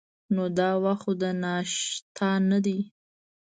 نو دا وخت خو د ناشتا نه دی.